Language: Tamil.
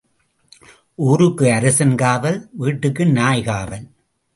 ஊருக்கு அரசன் காவல் வீட்டுக்கு நாய் காவல்.